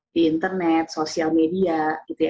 di internet sosial media gitu ya